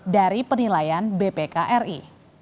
dari penilaian bpk ri